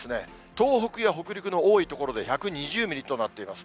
東北や北陸の多い所で１２０ミリとなっています。